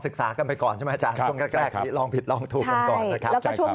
ศึกษากันไปก่อนใช่ไหมอาจารย์ลองผิดลองถูกก่อนแล้วก็ช่วง